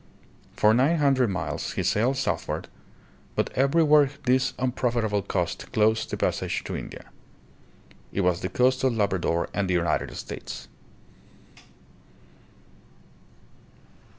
For nine hundred miles he sailed southward, but everywhere this unprofitable coast closed the passage to China. It was the coast of Labra dor and the United States.